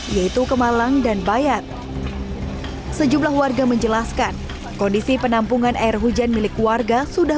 yaitu kemalang dan bayat sejumlah warga menjelaskan kondisi penampungan air hujan milik warga sudah